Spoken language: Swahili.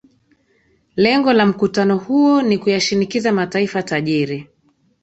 lengo la mkutano huo ni kuyashinikiza mataifa tajiri